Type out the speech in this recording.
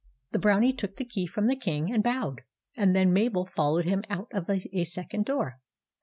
The Brownie took the key from the King, and bowed; and then Mabel followed him out of a second door.